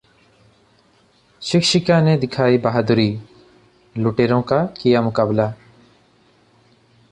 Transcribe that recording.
शिक्षिका ने दिखाई बहादुरी, लुटेरों का किया मुकाबला